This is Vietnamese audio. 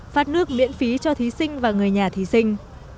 phát nước miễn phí cho thí sinh và người nhà thí sinh